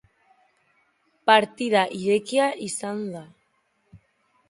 Partida irekia izan da.